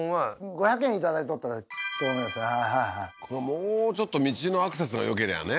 もうちょっと道のアクセスがよけりゃね